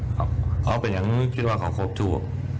ครับเขาเป็นอย่างนี้คิดว่าเขาครบชู้